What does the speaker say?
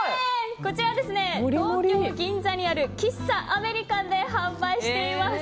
こちら、東京・銀座にある喫茶アメリカンで販売しています。